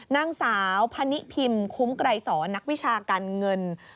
นางสาวพนิพิมคุ้มไกรสอนนักวิชาการเงิน